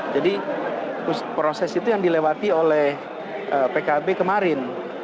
jadi proses itu yang dilewati oleh pkb kemarin